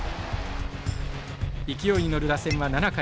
勢いに乗る打線は７回。